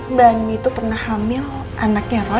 mbak nini tuh pernah hamil anaknya roy